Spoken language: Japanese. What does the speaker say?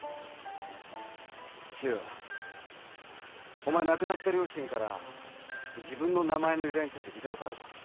お前亡くなった両親から自分の名前の由来について聞いたことあるか？